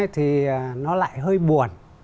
thì nó lại hơi buồn